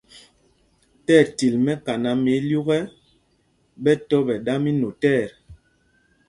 Tí ɛsu lɛ ɛtil mɛkaná mɛ ílyûk, ɓɛ tɔ́ ɓɛ̌ ɗa mí notɛɛ.